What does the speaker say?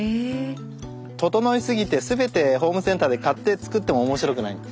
ととのいすぎてすべてホームセンターで買って作っても面白くない。